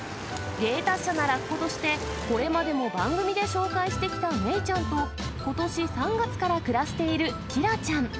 芸達者なラッコとして、これまでも番組で紹介してきたメイちゃんとことし３月から暮らしているキラちゃん。